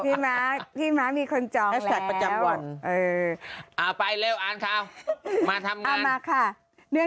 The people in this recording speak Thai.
พี่ม้าพี่ม้ามีคนจองแล้ว